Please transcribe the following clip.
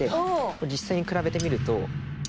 これ実際に比べてみると。